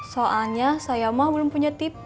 soalnya saya mah belum punya tips